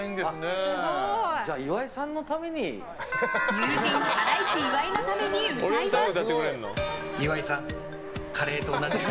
友人、ハライチ岩井のために歌います。